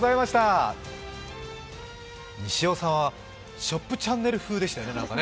西尾さんはショップチャンネル風でしたよね。